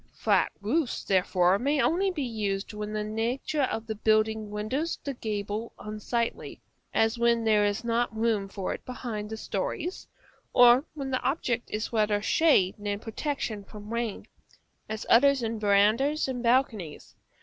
Flat roofs, therefore, may only be used when the nature of the building renders the gable unsightly; as when there is not room for it between the stories; or when the object is rather shade than protection from rain, as often in verandahs and balconies.